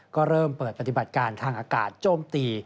ก็เริ่มเปิดปฏิบัติการทางอากาศโจมตี